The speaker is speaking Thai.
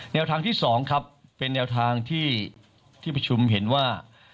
แนวทางที่๒ครับเป็นแนวทางที่ประชุมเห็นว่า